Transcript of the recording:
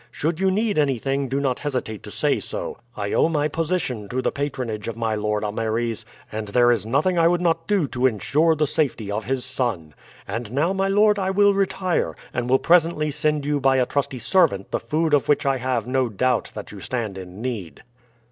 Should you need anything, do not hesitate to say so. I owe my position to the patronage of my lord Ameres, and there is nothing I would not do to insure the safety of his son. And now, my lord, I will retire, and will presently send you by a trusty servant the food of which I have no doubt that you stand in need."